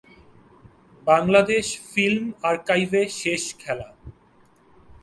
Bangladesh film আর্কাইভে শেষ খেলা